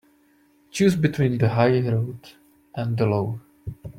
Choose between the high road and the low.